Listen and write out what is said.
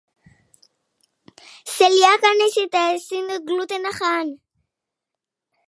Armaginek garaipena behar dute jaitsiera postuetatik aldentzeko.